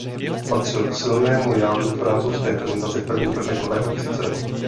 Patřil k silnému jádru francouzské reprezentace v prvních letech nového tisíciletí.